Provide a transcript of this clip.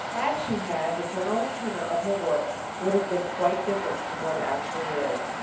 Had she had, the general tenor of her work would have been quite different from what it actually is.